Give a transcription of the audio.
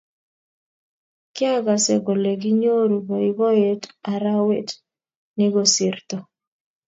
kyagase kole kinyoru boiboiyet arawet nigosirtoi